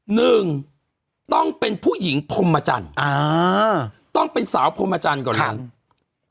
หนึ่งต้องเป็นผู้หญิงพรหมจรรย์อ่าต้องเป็นสาวพรหมจรรย์ก่อนแล้วครับ